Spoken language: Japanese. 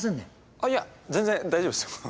あっいや全然大丈夫ですよ。